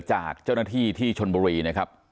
จากเจ้าหน้าที่ที่ชนบุรีนะครับ